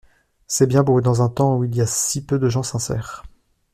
C'est bien beau dans un temps où il y a si peu de gens sincères.